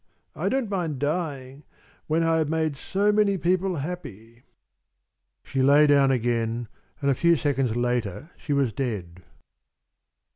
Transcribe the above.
I don't mind dying when I have made so many people happy." She lay down again, and a few seconds later she was dead.